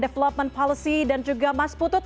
development policy dan juga mas putut